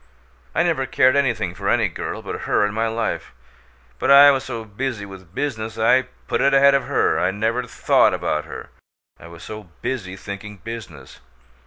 I never cared anything for any girl but her in my life, but I was so busy with business I put it ahead of her. I never THOUGHT about her, I was so busy thinking business.